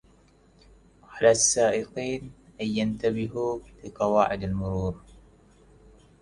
على السائقين أن ينتبهوا لقواعد المرور.